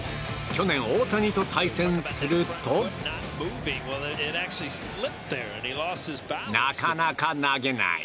去年大谷と対戦するとなかなか投げない。